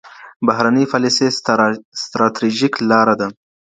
بهرنۍ پالیسي ستراتیژیکه لار ده.